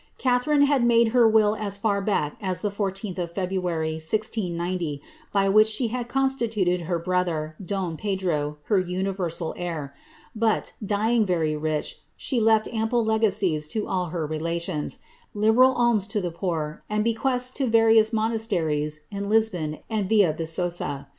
Catharine had madt her will as far back as the 14th of Februar}*, 1090, by which she hsd constituted her brother, don Pedro, her universal heir ; but, dying veiy rich, she left ample legacies to all her relations, liberal alms to the pooff and bequests to various monasteries in Lisbon and Villa Viqosa.